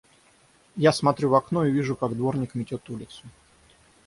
Я смотрю в окно и вижу, как дворник метет улицу.